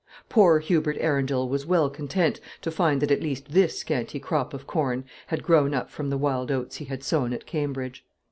Poor Hubert Arundel was well content to find that at least this scanty crop of corn had grown up from the wild oats he had sown at Cambridge.